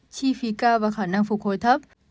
chi phí cao và khả năng phục hồi thấp